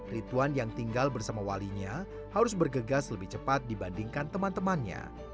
rituan yang tinggal bersama walinya harus bergegas lebih cepat dibandingkan teman temannya